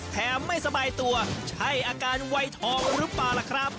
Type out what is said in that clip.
ไม่สบายตัวใช่อาการวัยทองหรือเปล่าล่ะครับ